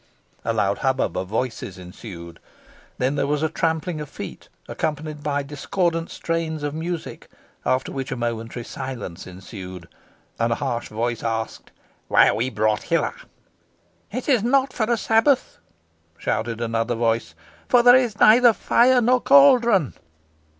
A loud hubbub of voices ensued then there was a trampling of feet, accompanied by discordant strains of music after which a momentary silence ensued, and a harsh voice asked "Why are we brought hither?" "It is not for a sabbath," shouted another voice, "for there is neither fire nor caldron."